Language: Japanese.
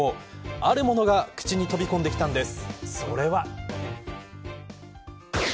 あるものが口に入り込んできたんです。